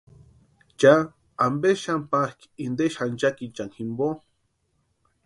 ¿Cha ampesï xáni pákʼi inte xanchakichani jimpo?